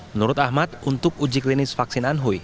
menurut ahmad untuk uji klinis vaksin anhui